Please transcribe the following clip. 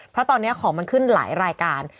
เพราะตอนนี้ของมันขึ้นหลายรายการ